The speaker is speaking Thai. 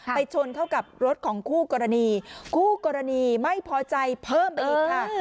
ชนเข้ากับรถของคู่กรณีคู่กรณีไม่พอใจเพิ่มไปอีกค่ะ